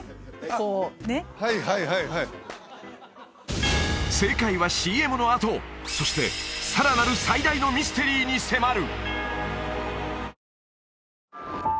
こうねっはいはいはいはい正解はＣＭのあとそしてさらなる最大のミステリーに迫る！